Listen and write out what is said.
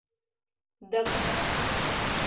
Дык...